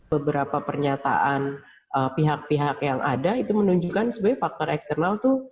beberapa pernyataan pihak pihak yang ada itu menunjukkan sebenarnya faktor eksternal itu